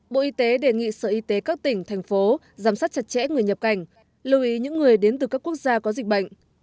bộ y tế đề nghị sở y tế các tỉnh thành phố giám sát chặt chẽ người nhập cảnh lưu ý những người đến từ các quốc gia có dịch bệnh